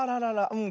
うん